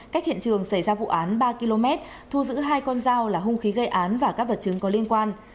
cách hiện trường xảy ra vụ án ba km thu giữ hai con dao là hung khí gây án và các vật chứng có liên quan